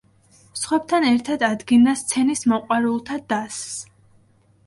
სხვებთან ერთად ადგენდა სცენის მოყვარულთა დასს.